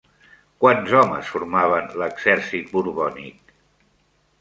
Quants homes formaven l'exèrcit borbònic?